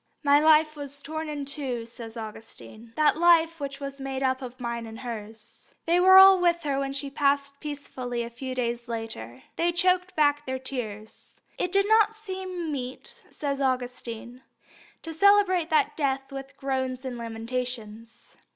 "My life was torn in two," says Augustine. "That life which was made up of mine and hers." They were all with her when she passed peacefully away a few days later. They choked back their tears. "It did not seem meet," says Augustine, "to celebrate that death with groans and lamentations.